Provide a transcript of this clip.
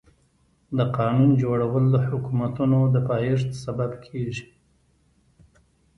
د قانون جوړول د حکومتونو د پايښت سبب کيږي.